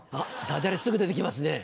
ダジャレすぐ出て来ますね。